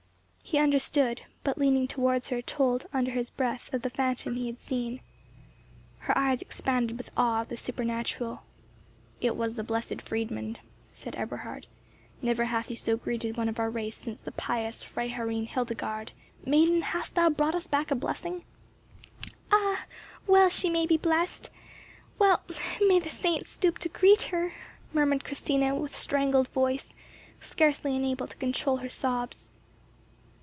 He understood; but, leaning towards her, told, under his breath, of the phantom he had seen. Her eyes expanded with awe of the supernatural. "It was the Blessed Friedmund," said Eberhard. "Never hath he so greeted one of our race since the pious Freiherrinn Hildegarde. Maiden, hast thou brought us back a blessing?" "Ah! well may she be blessed—well may the saints stoop to greet her," murmured Christina, with strangled voice, scarcely able to control her sobs.